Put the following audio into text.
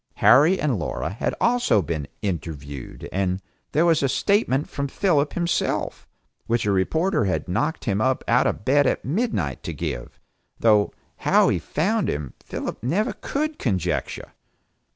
Harry and Laura had also been "interviewed" and there was a statement from Philip himself, which a reporter had knocked him up out of bed at midnight to give, though how he found him, Philip never could conjecture.